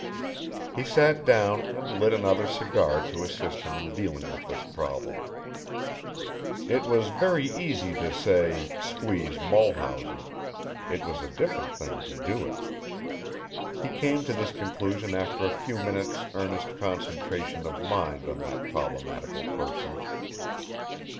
He sat down and lit another cigar to assist him in dealing with this problem. It was very easy to say "squeeze Mulhausen," it was a different thing to do it. He came to this conclusion after a few minutes' earnest concentration of mind on that problematical person.